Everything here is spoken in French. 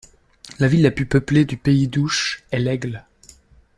La ville la plus peuplée du pays d'Ouche est L'Aigle.